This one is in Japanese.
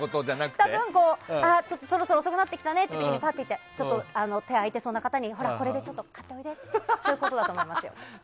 多分、そろそろ遅くなってきた時にぱって来て手が空いてそうな方にこれで何か買っておいでってことだと思います。